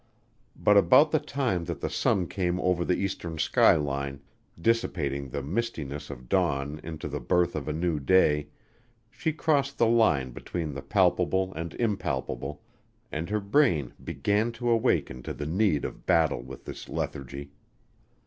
But about the time that the sun came over the eastern skyline, dissipating the mistiness of dawn into the birth of a new day, she crossed the line between the palpable and impalpable, and her brain began to awaken to the need of battle with this lethargy.